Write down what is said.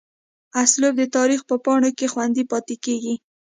اسلوب دَ تاريخ پۀ پاڼو کښې خوندي پاتې کيږي